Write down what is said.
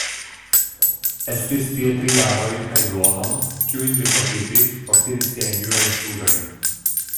Estis tie tri jarojn kaj duonon, kiujn li profitis por fini siajn jurajn studojn.